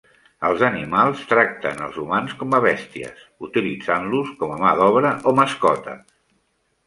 Els animals tracten els humans com a bèsties, utilitzant-los com a mà d'obra o mascotes.